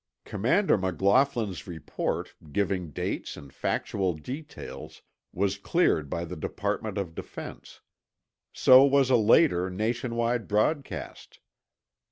Commander McLaughlin's report, giving dates and factual details, was cleared by the Department of Defense. So was a later nation wide broadcast.